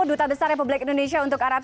duta besar republik indonesia untuk arab